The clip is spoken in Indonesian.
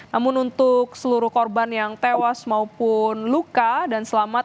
namun untuk seluruh korban yang tewas maupun luka dan selamat